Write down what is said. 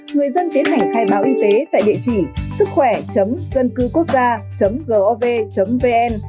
người dân tiến hành khai báo y tế tại địa chỉ sứckhoẻ dâncưquốc gia gov vn